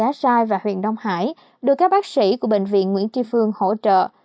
bạc liêu là thị xã giá sai và huyện đông hải được các bác sĩ của bệnh viện nguyễn tri phương hỗ trợ